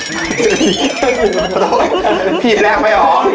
พี่แรกไหมหรอ